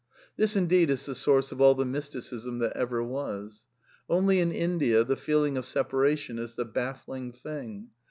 This indeed is the source of all the mysticism that ever was. Only in India the feeling of separation is the baffling thing.